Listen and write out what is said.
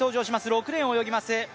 ６レーンを泳ぎます